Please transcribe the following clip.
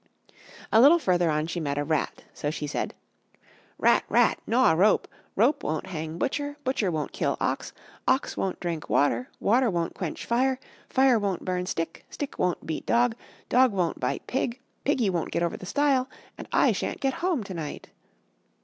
A little further on she met a rat. So she said: "Rat! rat! gnaw rope; rope won't hang butcher; butcher won't kill ox; ox won't drink water; water won't quench fire; fire won't burn stick; stick won't beat dog; dog won't bite pig; piggy won't get over the stile; and I sha'n't get home to night."